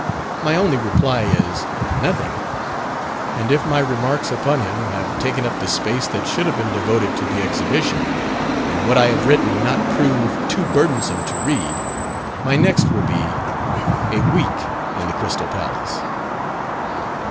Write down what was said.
My only reply is, "Nothing," and if my remarks upon him have taken up the space that should have been devoted to the Exhibition, and what I have written not prove too burdensome to read, my next will be "a week in the Crystal Palace."